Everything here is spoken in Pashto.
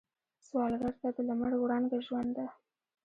سوالګر ته د لمر وړانګه ژوند ده